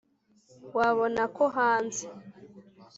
wabona ko hanze